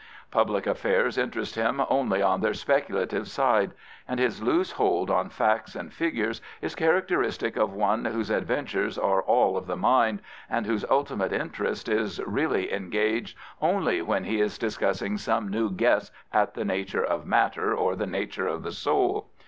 Public affairs interest him only on their speculative side, and his loose hold on facts and figures is characteristic of one whose adventures are all of the mind, and wiiose ultimate interest is really engaged only when he is discussing some new guess at the nature of matter or the nature of the soul.